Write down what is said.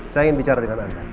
saya ingin bicara dengan anda